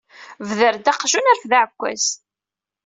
Bder-d aqjun, rfed aɛekkaz.